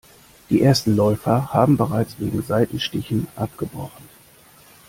Die ersten Läufer haben bereits wegen Seitenstichen abgebrochen.